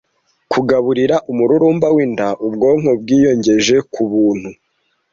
Kugaburira umururumba w'inda ubwonko bwiyongeje kubuntu,